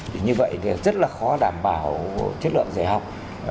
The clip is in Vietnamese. thì như vậy thì rất là khó đảm bảo chất lượng dạy học